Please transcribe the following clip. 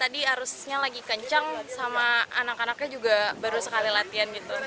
tadi arusnya lagi kencang sama anak anaknya juga baru sekali latihan gitu